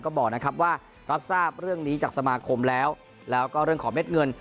เขาบอกว่ารับทราบเรื่องนี้จากสมาคมแล้วแล้วเรื่องขอเม็ดเงิน